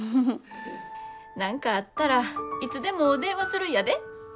何かあったらいつでも電話するんやで。